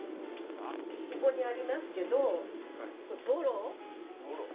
ここにありますけど、ボロ。